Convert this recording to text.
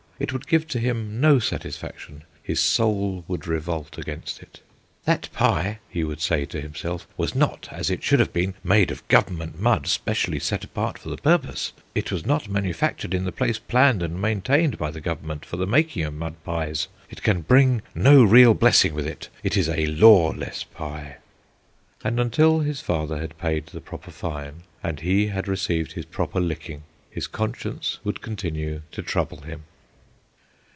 It would give to him no satisfaction: his soul would revolt against it. "That pie," he would say to himself, "was not, as it should have been, made of Government mud specially set apart for the purpose; it was nor manufactured in the place planned and maintained by the Government for the making of mud pies. It can bring no real blessing with it; it is a lawless pie." And until his father had paid the proper fine, and he had received his proper licking, his conscience would continue to trouble him.